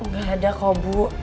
gak ada kok bu